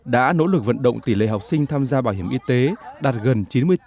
đã nỗ lực vận động tỷ lệ học sinh tham gia bảo hiểm y tế đạt gần chín mươi bốn